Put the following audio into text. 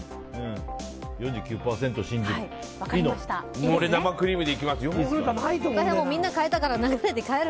４９％信じてる。